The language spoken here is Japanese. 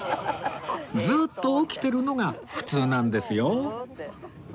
ずーっと起きてるのが普通なんですよ